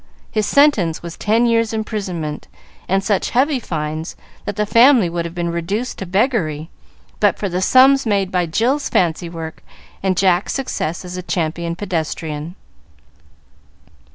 His sentence was ten years' imprisonment, and such heavy fines that the family would have been reduced to beggary but for the sums made by Jill's fancy work and Jack's success as a champion pedestrian.